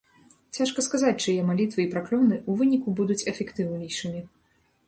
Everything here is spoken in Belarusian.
Цяжка сказаць, чые малітвы і праклёны ў выніку будуць эфектыўнейшымі.